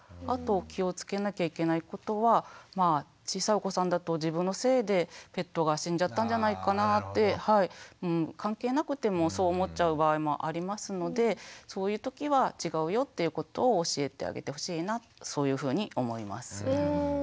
あと気をつけなきゃいけないことは小さいお子さんだと自分のせいでペットが死んじゃったんじゃないかなぁって関係なくてもそう思っちゃう場合もありますのでそういう時は「違うよ」っていうことを教えてあげてほしいなそういうふうに思います。